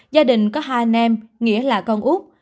gia đình có hai anh em nghĩa là con úc